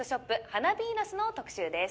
花ヴィーナスの特集です